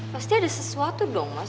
pasti ada sesuatu dong mas